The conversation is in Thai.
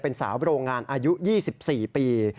เป็นสาวโรงงานอายุ๒๔ปี